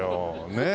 ねえ。